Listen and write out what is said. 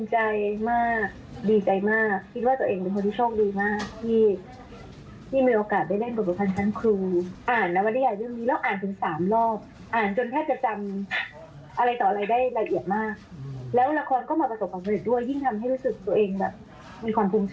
ให้ได้ดีที่สุดเท่าที่จะดีได้